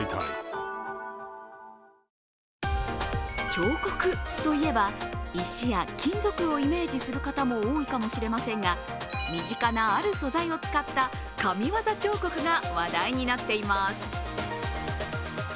彫刻といえば、石や金属をイメージする方も多いかもしれませんが、身近なある素材を使った神業彫刻が話題になっています。